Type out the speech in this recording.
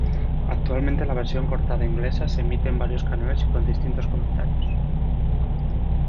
Actualmente la versión cortada inglesa se emite en varios canales y con distintos comentarios.